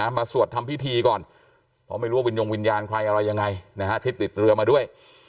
มาสวดทำพิธีก่อนเพราะไม่รู้วิญญาณใครอะไรยังไงนะฮะที่ติดเรือมาด้วย